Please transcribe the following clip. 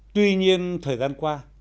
tuy nhiên thời gian qua